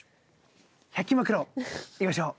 １００均マクロいきましょう！